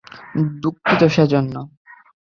দুঃখিত সে জন্য!